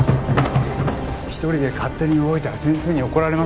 １人で勝手に動いたら先生に怒られますよ。